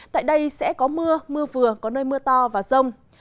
tại đây sẽ có mưa mưa vừa có nơi mưa to và rông